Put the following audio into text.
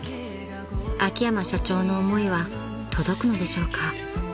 ［秋山社長の思いは届くのでしょうか］